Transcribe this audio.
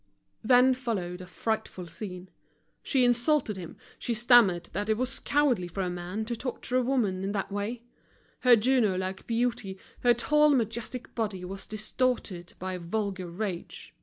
Then followed a frightful scene. She insulted him, she stammered that it was cowardly for a man to torture a woman in that way. Her Juno like beauty, her tall majestic body was distorted by vulgar rage.